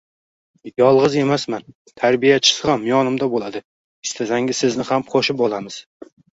— Yolg’iz emasman. Tarbiyachisi ham yonimda bo’ladi. Istasangiz sizni ham qo’shib olamiz.